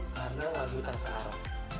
karena lagu taksa arab